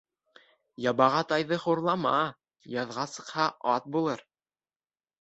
Ябаға тайҙы хурлама, яҙға сыҡһа, ат булыр.